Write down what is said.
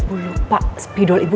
kalau nggak ada biasanya dulu